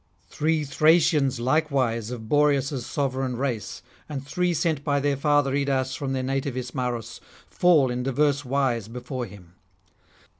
Three Thracians likewise of Boreas' sovereign race, and three sent by their father Idas from their native Ismarus, fall in divers wise before him.